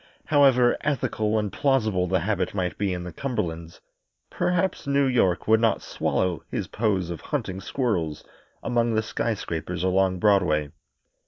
However ethical and plausible the habit might be in the Cumberlands, perhaps New York would not swallow his pose of hunting squirrels among the skyscrapers along Broadway.